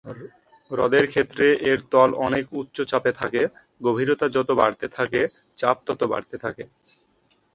হ্রদের ক্ষেত্রে এর তল অনেক উচ্চ চাপে থাকে; গভীরতা যত বাড়তে থাকে চাপ তত বাড়তে থাকে।